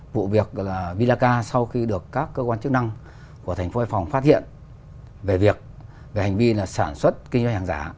vụ việc vinaca sau khi được các cơ quan chức năng của thành phố hải phòng phát hiện về việc hành vi sản xuất kinh doanh hàng giả